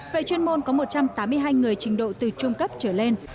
về chuyên môn có một trăm tám mươi hai người trình độ từ trung cấp trở lên